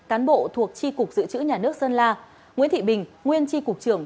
cán bộ thuộc tri cục dự trữ nhà nước sơn la nguyễn thị bình nguyên tri cục trưởng